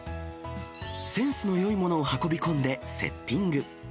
センスのよいものを運び込んでセッティング。